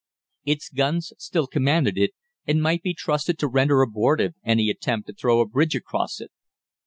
Its guns still commanded it, and might be trusted to render abortive any attempt to throw a bridge across it.